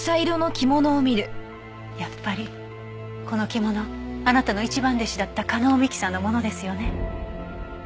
やっぱりこの着物あなたの一番弟子だった加納美樹さんのものですよね？